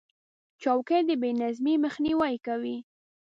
چوکۍ د بې نظمۍ مخنیوی کوي.